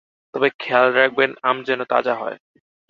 তবে খেয়াল রাখবেন আম যেন তাজা হয়।